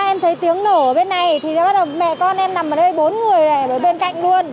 em thấy tiếng nổ ở bên này thì bắt đầu mẹ con em nằm ở đây bốn người này ở bên cạnh luôn